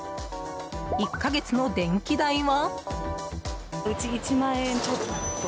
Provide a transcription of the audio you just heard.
１か月の電気代は？